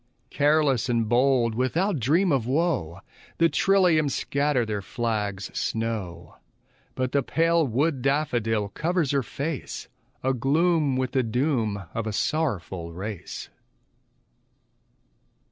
Careless and bold, without dream of woe, The trilliums scatter their flags snow; But the pale wood daffodil covers her face, Agloom with the doom of a sorrowful race.